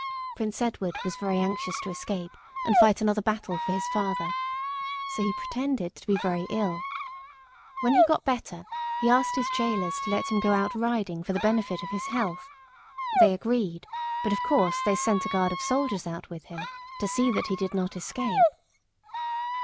Prince Edward was very anxious to escape and fight another battle for his father. So he pretended to be very ill. When he got better he asked his gaolers to let him go out riding for the benefit of his health. They agreed, but of course, they sent a guard of soldiers out with him to see that he did not escape.